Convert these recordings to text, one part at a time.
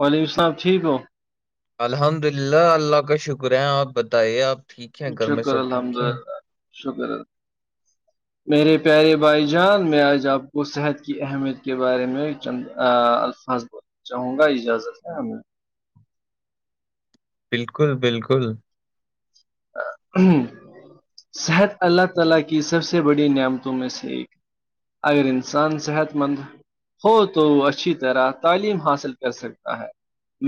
وعلیکم السلام ٹھیک ہو الحمد للہ اللہ کا شکر ہے آپ بتائیے آپ ٹھیک ہیں گھر میں شکر سب الحمد ٹھیک ہیں للہ شکر ہے [inaudible] میرے پیارے بھائی جان میں آج آپ کو صحت کی اہمیت کے بارے میں چند الفاظ چاہوں گا اجازت ہے ہمیں بالکل بالکل ہ صحت اللہ تعالی کی سب سے بڑی نعمتوں میں سے ایک اگر انسان صحت مند ہو تو وہ اچھی طرح تعلیم حاصل کر سکتا ہے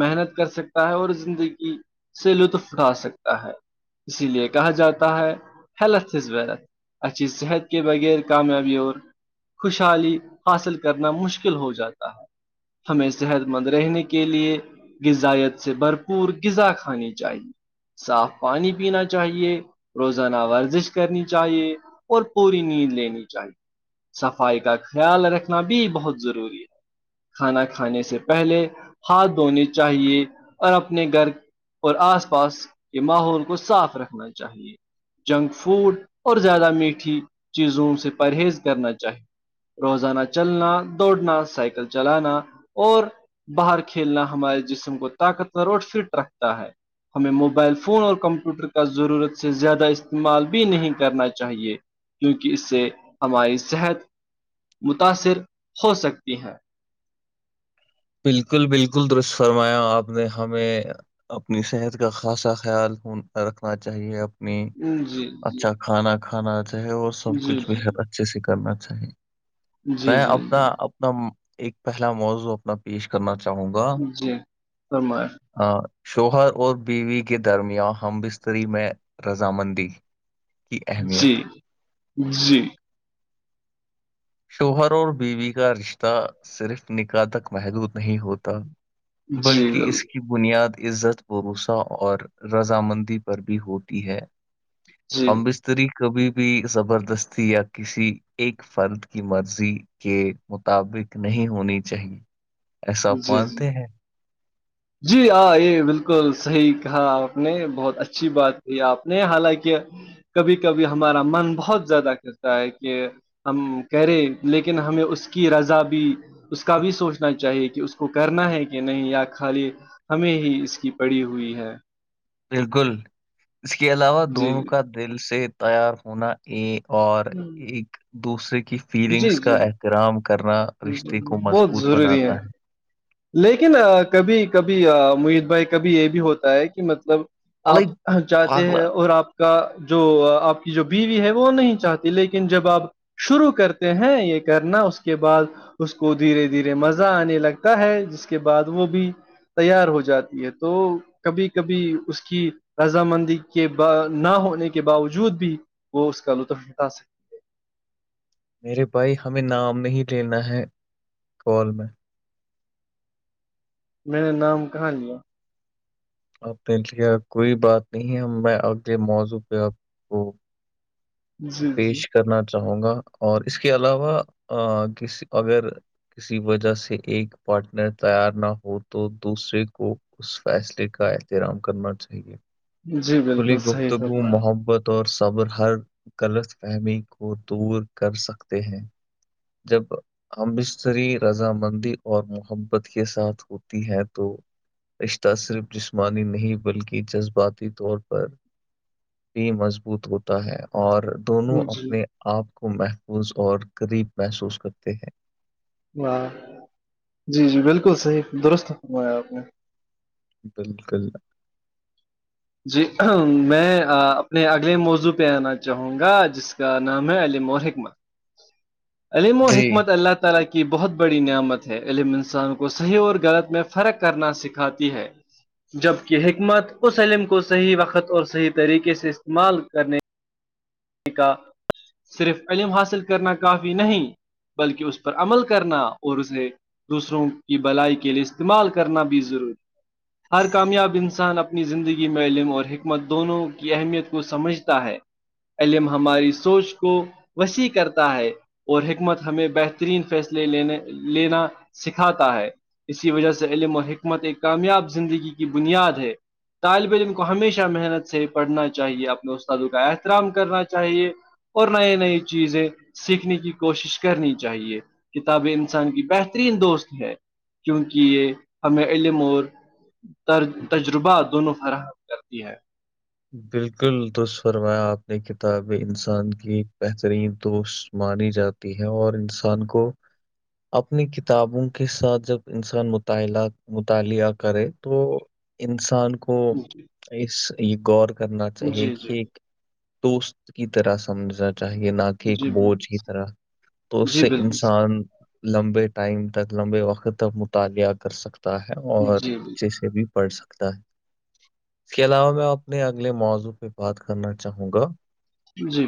محنت کر سکتا ہے اور زندگی سے لطف اٹھا سکتا ہے اسی لیے کہا جاتا ہے ہیلتھ ازلتھ اچھی صحت کے بغیر کامیابی اور خوشحالی حاصل کرنا مشکل ہو جاتا ہے ہمیں صحت مند رہنے کے لیے غذائیت سے بھرپور غذا کھانی چاہیے صاف پانی پینا چاہیے روزانہ ورزش کرنی چاہیے اور پوری نیند لینی چاہیے صفائی کا خیال رکھنا بھی بہت ضروری ہے کھانا کھانے سے پہلے ہاتھ دھونے چاہیے اور اپنے گھر اور آس پاس کے ماحول کو صاف رکھنا چاہیے جنک فوڈ اور زیادہ میٹھی چیزوں سے پرہیز کرنا چاہیے روزانہ چلنا دوڑنا سائیکل چلانا اور باہر کھیلنا ہمارے جسم کو طاقتور اور فٹ رکھتا ہے ہمیں موبائل فون اور کمپیوٹر کا ضرورت سے زیادہ استعمال بھی نہیں کرنا چاہیے کیونکہ اس سے ہماری صحت متاثر ہو سکتی ہے بالکل بالکل درش فرمایا آپ نے ہمیں اپنی صحت کا خاصا خیال رکھنا چاہیے آپ جی جی اچھا کھانا کھانا چاہے وہ جی سب جی کچھ بھی ہے اچھے سے کرنا چاہیے جی میں جی اپنا جی اپنا ایک پہلا موضوع پیش کرنا چاہوں گا جی فرمایا شوہر اور بیوی کے درمیان ہم بستری میں رضامندی کی جی اہمیت جی شوہر اور بیوی کا رشتہ صرف نکاح تک محدود نہیں ہوتا جی بلکہ بالکل اس کی کی بنیاد عزت بھروسا اور رضامندی پر بھی ہوتی ہے جی ہم بستری کبھی بھی زبردستی یا کسی ایک فرد کی مرضی کے مطابق نہیں ہونی چاہیے ایسا آپ جی جی مانتے ہیں جی آ یہ بالکل صحیح کہا آپ نے بہت اچھی بات کہ آپ نے حالانکہ کبھی کبھی ہمارا من بہت زیادہ کرتا ہے کہ ہم کہے لیکن ہمیں اس کی رضا بھی اس کا بھی سوچنا چاہیے کہ اس کو کرنا ہے کہ نہیں یا خالی ہمیں ہی اس کی پڑی ہوئی ہے بالکل اس کے علاوہ جی دونوں کا دل سے تیار ہونا ا اور ایک دوسرے کی جی فیلنگس جی کا احترام کرنا رشتے کو جی، بہت مضبوط ضروری بناتا ہے لیکن کبھی کبھی محیت بھائی کبھی یہ بھی ہوتا ہے کہ مطلب آپ جاتتے پاگلا ہیں اور آپ کا جو آپ کی جو بیوی ہے وہ نہیں چاہتی لیکن جب آپ شروع کرتے ہیں یہ کرنا اس کے بعد اس کو دھیرے دھیرے مزہ آنے لگتا ہے جس کے بعد وہ بھی تیار ہو جاتی ہے تو کبھی کبھی اس کی رضامندی کے نہ ہونے کے باوجود بھی وہ اس کا لطف بتا سکتے میررے بھائی ہمیں نام نہیں لینا ہے کال میں میں نے نام کہاں لیا آپ نے لیا کوئی بات نہیں ہم میں اگلے موضوع پہ آپ کو جی جی پیش کرنا چاہوں گا اور اس کے علاوہ کسی اگر کسی وجہ سے ایک پارٹنر تیار نہ ہو تو دوسرے کو اس فیصلے کا احترام کرنا چاہیے جی کلی بالکل صحیح گفتگو فرمایا محبت اور صبر ہر غلط فہمی کو دور کر سکتے ہیں جب امبستری رضامندی اور محبت کے ساتھ ہوتی ہے تو رشتہ صرف جسمانی نہیں بلکہ جذباتی طور پر بھی مضبوط ہوتا ہے اور دونوں جی اپنے آپ کو محفوظ اور قریب محسوس کرتے ہیں واں جی جی بالکل صحیح درست فمایا آپ نے بالکل جی میں اپنے اگلے موضوع پہ آنا چاہوں گا جس کا نام ہے علیم اور حکمت [inaudible] علیم و جی حکمت اللہ طرح کی بہت بڑی نعمت ہے علم انسان کو صحیح اور غلط میں فرق کرنا سکھاتی ہے جبکہ حکمت اس علم کو صحیح وقت اور صحیح طریقے سے استعمال کرنے کا صرف علم حاصل کرنا کافی نہیں بلکہ اس پر عمل کرنا اور اسے دوسروں کی بلائی کے لیے استعمال کرنا بھی ضروری ہر کامیاب انسان اپنی زندگی میں علم اور حکمت دونوں کی اہمیت کو سمجھتا ہے علم ہماری سوچ کو وسیع کرتا ہے اور حکمت ہمیں بہترین فیصلے لینے لینا سکھاتا ہے اس کی وجہ سے علم اور حکمت ایک کامیاب زندگی کی بنیاد ہے طالب علم کو ہمیشہ محنت سے پڑھنا چاہیے اپنے استاد کا احترام کرنا چاہیے اور نئی نئی چیزیں سیکھنے کی کوشش کرنی چاہیے کتابیں انسان کی بہترین دوست ہے کیونکہ یہ ہمیں علم اور ر تجربات دونوں فراہم کرتی ہے بالکل دست فرمایا آپ نے کتاب انسان کی ایک بہترین دوست مانی جاتی ہے اور انسان کو اپنی کتابوں کے ساتھ جب انسان مطالعہ مطالعہ کرے تو انسان کو جی اس یہ غور کرنا چاہیے کہ جی ایک دوست کی طرح سمجھنا چاہیے نہ کہ ایک جی بوجھ کی طرح تو اس جی سے بالکل انسان لمبے ٹائم تک لمبے وقت تک مطالعہ کر سکتا ہے اور جی بالکل سر اچھے سے بھی پڑ سکتا ہے اس کے علاوہ میں آپ اپنے اگلے موضوع پہ بات کرنا چاہوں گا جی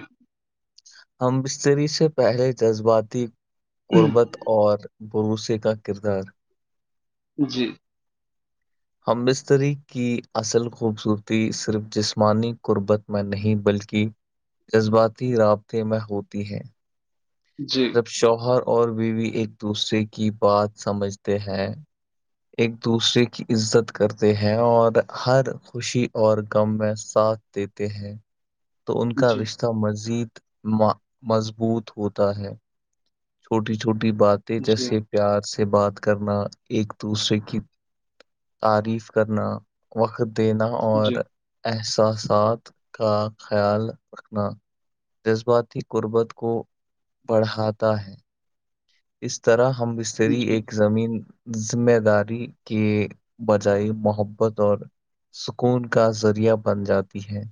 ہم بستری سے پہلے جذباتی قربت اور بھروسے کا کردار جی ہم مستری کی اصل خوبصورتی صرف جسمانی قربت میں نہیں بلکہ جز باتی رابطے میں ہوتی ہے جی جب شوہر اور بیوی ایک دوسرے کی بات سمجھتے ہیں ایک دوسرے کی عزت کرتے ہیں اور ہر خوشی اور غم میں ساتھ دیتے ہیں تو ان کا جی جی رشتہ مزید مضبوط ہوتا ہے چھوٹی چھوٹی باتیں جی جیسے پیار سے بات کرنا ایک دوسرے کی تعریف کرنا وقت دینا اور جی احساسات کا خیال رکھنا جذباتی قربت کو بڑھاتا ہے اس طرح ہم بستری جی ایک زمین ذمہ داری کے بجائے محبت اور سکون کا ذریعہ بن جاتی ہے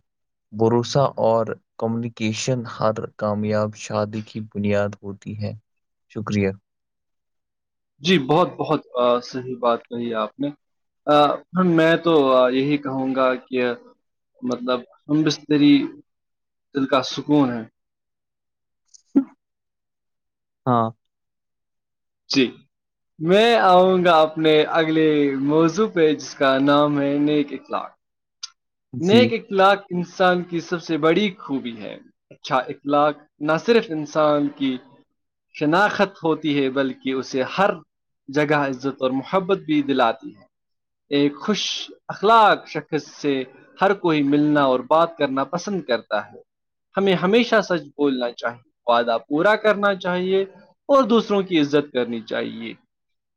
بروسہ اور کمیونیکیشن ہر کامیاب شادی کی بنیاد ہوتی ہے شکریہ جی بہت بہت صحیح بات کہی ہے آپ نے ا میں تو یہی کہوں گا کہ مطلب ہم بستری دل کا سکون ہے ہاں جی میں آؤں گا اپنے اگلے موضوع پہ جس کا نام ہے نیک اخلاق جی نیک اخلاق انسان کی سب سے بڑی خوبی ہے اچھا اخلاق نہ صرف انسان کی شناخت ہوتی ہے بلکہ اسے ہر جگہ عزت اور محبت بھی دلاتی ہے ایک خوش اخلاق شخص سے ہر کوئی ملنا اور بات کرنا پسند کرتا ہے ہمیں ہمیشہ سچ بولنا چاہیے وعدہ پورا کرنا چاہیے اور دوسروں کی عزت کرنی چاہیے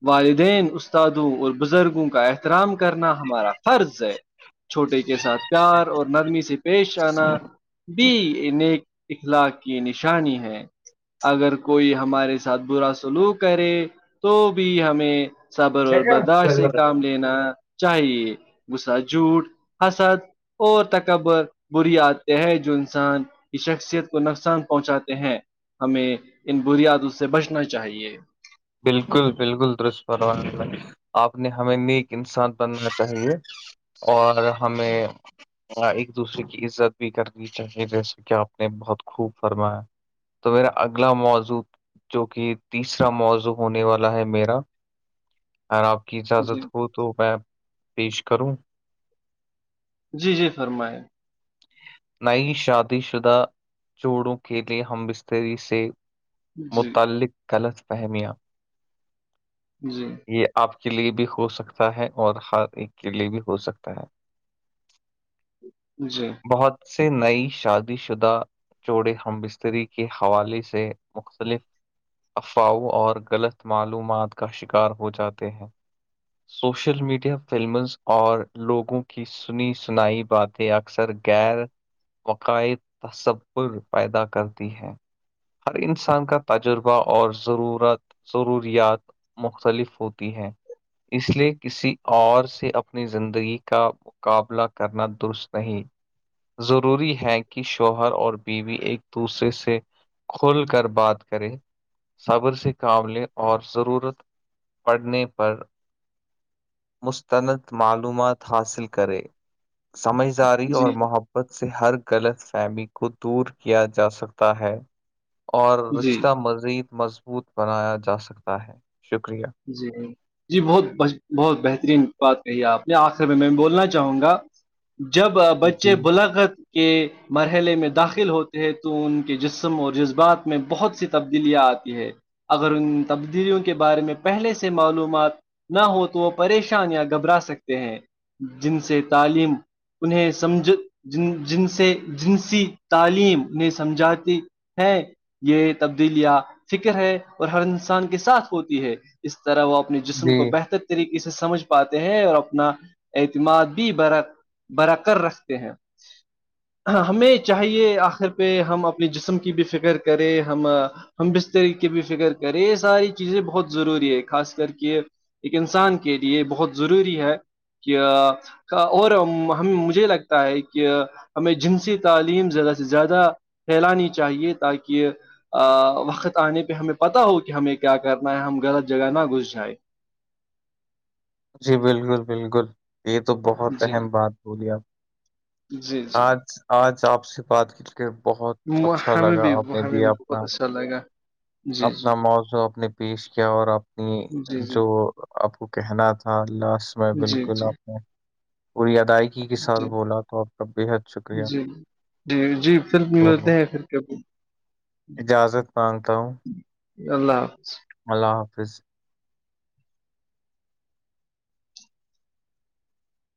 والدین استادوں اور بزرگوں کا احترام کرنا ہمارا فرض ہے [inaudible] یہ ساتھ پیار اور نرمی سے پیش آنا بھی ان اخلاق کی نشانی ہے اگر کوئی ہمارے ساتھ برا سلوک کرے تو بھی ہمیں صبر اور برداشت سے کام لینا چاہیے غسہ جھوٹ حسد اور تکبر بری آتے ہیں جو انسان کی شخصیت کو نقصان پہنچاتے ہیں ہمیں ان بنیادوں سے بچنا چاہیے بالکل بالکل دشپروان آپ نے ہمیں نیک انسان بننا چاہیے اور ہمیں ہاں ایک دوسرے کی عزت بھی کرنی چاہیے جیسے کہ آپ نے بہت خوب فرمایا تو میرا اگلا موضوع جو کہ تیسرا موضوع ہونے والا ہے میرا اور آپ کی اجازت جی ہو تو تو میں پیش کروں جی جی فرمائیں نئی شادی شدہ جوڑوں کے لیے ہم بستری سے جی متعلق غلط فہمیاں جی یہ آپ کے لیے بھی ہو سکتا ہے اور ہر ایک کے لیے بھی ہو سکتا ہے [inaudible] جی بہت سے نئی شادی شدہ چوڑے ہم بستری کے حوالے سے مختلف افواہوں اور غلط معلومات کا شکار ہو جاتے ہیں سوشل میڈیا فلمز اور لوگوں کی سنی سنائی باتیں اکثر غیر وقائد تصر پیدا کرتی ہیں ہر انسان کا تجربہ اور ضرورت ضروریات مختلف ہوتی ہیں اس لیے کسی اور سے اپنی زندگی کا مقابلہ کرنا درست نہیں ضروری ہے کہ شوہر اور بیوی ایک دوسرے سے کھول کر بات کریں صبر سے قابلے اور ضرورت پڑنے پر مستند معلومات حاصل کرے سمجھداری جی اور محبت سے ہر غلط فہمی کو دور کیا جا سکتا ہے اور جی رشتہ مزید مضبوط بنایا جا سکتا ہے شکریہ جی ہ جی بہت بہت بہترین بات کہی ہے آپ نے آخر میں میں بولنا چاہوں گا جب بچے جی بلا کر کے مرحلے میں داخل ہوتے ہیں تو ان کے جسم اور جذبات میں بہت سی تبدیلیاں آتی ہے اگر ان تبدیلیوں کے بارے میں [unintelligible] پہلے سے معلومات نہ ہو تو وہ پریشان یا گھبرا سکتے ہیں جن سے تعلیم انہیں سمجھ جن جن سے جنسی تعلیم نہیں سمجھاتی ہے یہ تبدیلیاں فکر ہے اور ہر انسان کے ساتھ ہوتی ہے اس طرح وہ اپنے جسم جی کو بہتر طریقے سے سمجھ پاتے ہیں اور اپنا اعتماد بھی بر [unintelligible] برکر رکھتے ہیں [unintelligible] ہاں ہمیں چاہیے آخر پہ ہم اپنی جسم کی بھی فکر کرے ہم ہم بس طریقے بھی فکر کریں یہ ساری چیزیں بہت ضروری خاص کر کے ایک انسان کے لیے بہت ضروری ہے کہ [unintelligible] اور ہم مجھے لگتا ہے کہ ہمیں جنسی تعلیم زیادہ سے زیادہ پھیلانی چاہیے تاکہ وقت آنے پہ ہمیں پت ہو کہ ہمیں کیا کرنا ہے ہم غلط جگہ نہ گھس جائے جی بالکل بالکل یہ تو بہت جی اہم بات بولی آپ جی جی آج آج آپ سے بات کی کہ بہت اچھا لگا آپ نے بھی اپنا چلے گا [unintelligible] اپنا موضوع اپ نے پیش کیا اور اپنی جی جی جو آپ کو کہنا تھا ال لاس میں جی بالکل جی آپ نے پوری ادائیگ ی کے ساتھ جی بولا تو آپ کا بےحد شکریہ جی [unintelligible] جی جی پھر ملتے تو ہیں پھر کے اجازت مانگتا ہوں اللہ حافظ [unintelligible] اللہ حافظ